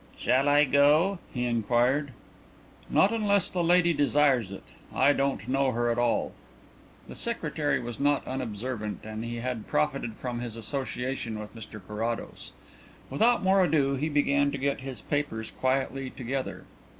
"Shall I go?" he inquired. "Not unless the lady desires it. I don't know her at all." The secretary was not unobservant and he had profited from his association with Mr Carrados. Without more ado, he began to get his papers quietly together.